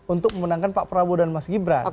untuk memenangkan pak prabowo dan mas gibran